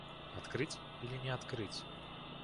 Открыть иль не открыть?